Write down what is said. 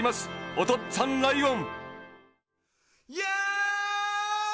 おとっつぁんライオン。